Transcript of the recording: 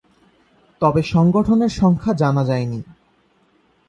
তবে সংগঠনের সংখ্যা জানা যায়নি।